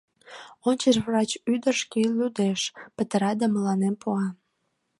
Ончыч врач ӱдыр шке лудеш, пытара да мыланем пуа.